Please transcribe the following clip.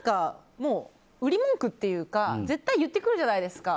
売り文句というか絶対言ってくるじゃないですか。